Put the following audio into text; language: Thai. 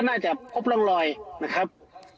ทนายเกิดผลครับ